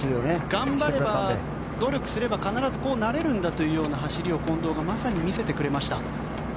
頑張れば、努力すれば必ずこうなれるんだというような走りを近藤がまさに見せてくれました。